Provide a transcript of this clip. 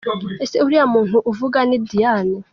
Ese, uriya muntu uvuga ni Diane?